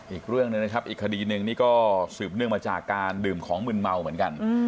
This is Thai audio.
อีกเรื่องหนึ่งนะครับอีกคดีหนึ่งนี่ก็สืบเนื่องมาจากการดื่มของมืนเมาเหมือนกัน